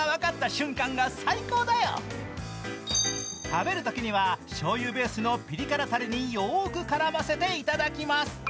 食べるときにはしょうゆベースのピリ辛たれによーく絡ませて頂きます。